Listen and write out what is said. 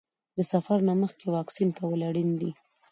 د سفر نه مخکې واکسین کول اړین دي.